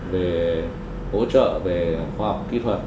về hỗ trợ về khoa học kỹ thuật